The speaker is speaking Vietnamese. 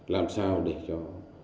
làm sao để cho